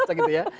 dimasak gitu ya